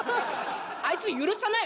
あいつ許さない。